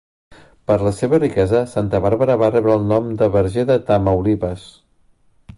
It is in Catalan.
Per la seva riquesa, Santa Bàrbara va rebre el nom de Verger de Tamaulipas.